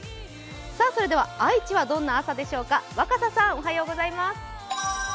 それでは愛知はどんな朝でしょうか。